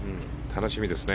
楽しみですね。